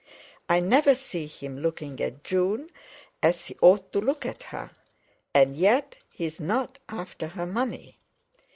I never see him looking at June as he ought to look at her; and yet, he's not after her money.